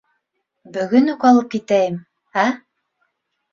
— Бөгөн үк алып китәйем, ә?